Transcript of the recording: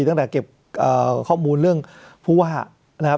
ตั้งแต่เก็บข้อมูลเรื่องผู้ว่านะครับ